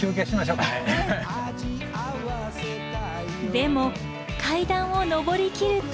でも階段を上りきると。